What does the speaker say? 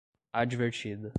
advertida